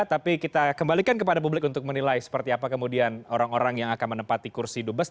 tapi kita kembalikan kepada publik untuk menilai seperti apa kemudian orang orang yang akan menempati kursi dubes